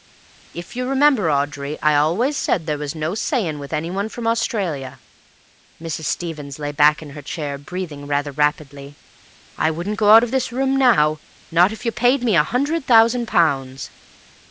"If you remember, Audrey, I always said there was no saying with anyone from Australia." Mrs. Stevens lay back in her chair, breathing rather rapidly. "I wouldn't go out of this room now, not if you paid me a hundred thousand pounds."